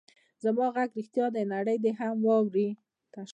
زما غږ رښتیا دی؛ نړۍ دې هم واوري.